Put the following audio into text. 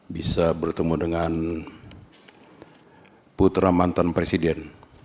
bisa bertemu dengan putra mantan presiden